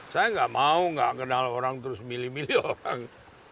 saya nggak mau nggak kenal orang terus milih milih orang